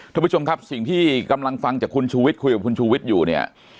ทุกผู้ชมครับสิ่งที่กำลังฟังจากคุณชูวิทย์คุยกับคุณชูวิทย์อยู่เนี่ย